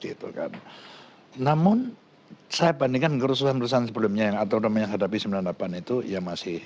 gitu kan namun saya bandingkan gerusuhan gerusan sebelumnya yang atau mencadapi sembilan puluh delapan itu ya masih